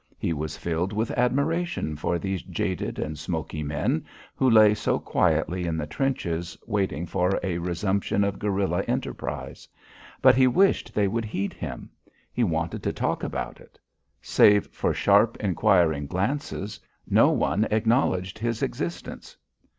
He was filled with admiration for these jaded and smoky men who lay so quietly in the trenches waiting for a resumption of guerilla enterprise. But he wished they would heed him. He wanted to talk about it. Save for sharp inquiring glances, no one acknowledged his existence.